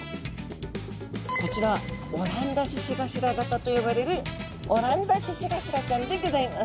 こちらオランダ獅子頭型と呼ばれるオランダ獅子頭ちゃんでギョざいます。